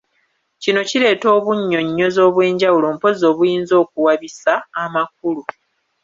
Kino kireeta obunnyonnyozi obw’enjawulo mpozzi obuyinza okuwabisa amakulu.